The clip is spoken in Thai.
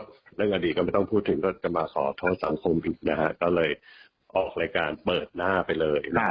เรื่องคดีก็ไม่ต้องพูดถึงก็จะมาขอโทษสังคมผิดนะฮะก็เลยออกรายการเปิดหน้าไปเลย